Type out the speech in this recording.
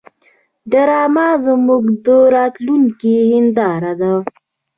ډرامه زموږ د راتلونکي هنداره ده